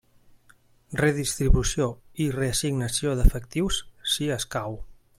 Redistribució i reassignació d'efectius, si escau.